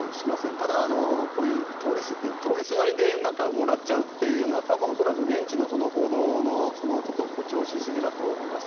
ただ、こういう通りすがりでもらっちゃうというのは多分恐らく現地の報道の誇張のし過ぎだと思います。